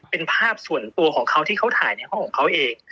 เป็นภาพส่วนตัวของเขาที่เขาถ่ายในห้องของเขาเอง